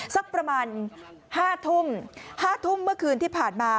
สักประมาณ๕ทุ่ม๕ทุ่มเมื่อคืนที่ผ่านมา